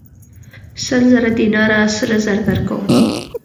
سل زره دیناره سره زر درکوم.